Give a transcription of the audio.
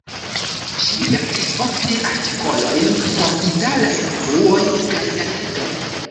Ŝi verkis ofte artikolojn por italaj revuoj kaj gazetoj.